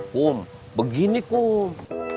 kum begini kum